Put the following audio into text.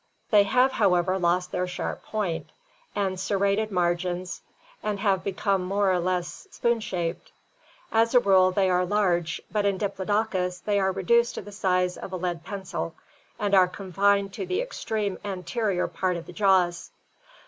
They have, however, lost their sharp point and serrated margins and have become more or less spoon shaped. As a rule they are large but in Diplodocus they are reduced to the size of a lead pencil and are confined to the extreme anterior part of the jaws.